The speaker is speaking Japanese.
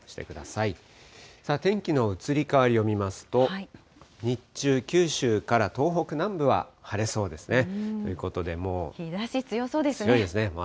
さあ、天気の移り変わりを見ますと、日中、九州から東北南部は晴れそうですね。